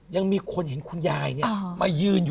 ยังมีคนเห็นคุณยาย